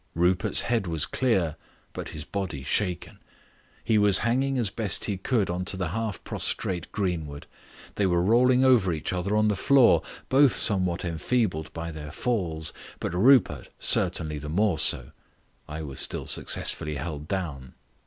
Rupert's head was clear, but his body shaken; he was hanging as best he could on to the half prostrate Greenwood. They were rolling over each other on the floor, both somewhat enfeebled by their falls, but Rupert certainly the more so. I was still successfully held down.